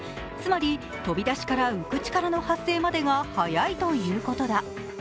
つまり、飛び出しから浮く力の発生までが早いということだ。